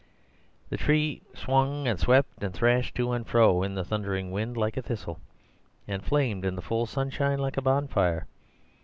The tree swung and swept and thrashed to and fro in the thundering wind like a thistle, and flamed in the full sunshine like a bonfire.